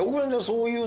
そういう。